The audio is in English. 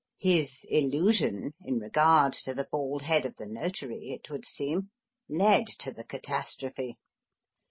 His illusion in regard to the bald head of the Notary, it would seem, led to the catastrophe.